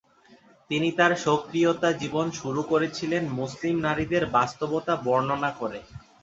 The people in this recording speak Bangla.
তিনি তার সক্রিয়তা জীবন শুরু করেছিলেন মুসলিম নারীদের বাস্তবতা বর্ণনা করে।